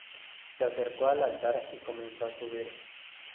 Se acercó al altar y comenzó a subir.